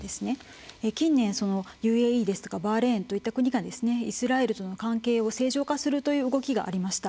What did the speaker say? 近年ＵＡＥですとかバーレーンといった国がイスラエルとの関係を正常化するという動きがありました。